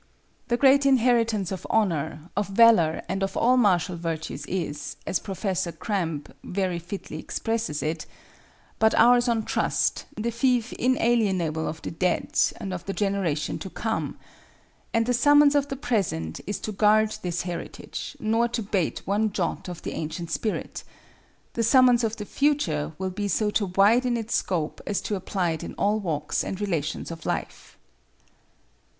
The great inheritance of honor, of valor and of all martial virtues is, as Professor Cramb very fitly expresses it, "but ours on trust, the fief inalienable of the dead and of the generation to come," and the summons of the present is to guard this heritage, nor to bate one jot of the ancient spirit; the summons of the future will be so to widen its scope as to apply it in all walks and relations of life.